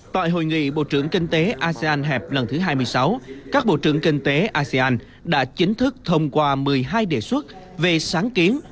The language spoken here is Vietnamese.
tại hội nghị bộ trưởng kinh tế asean hẹp lần thứ hai mươi sáu các bộ trưởng kinh tế asean đã chính thức thông qua một mươi hai đề xuất về sáng kiến